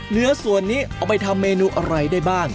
เนื้อส่วนนี้เอาไปทำเมนูอะไรได้บ้าง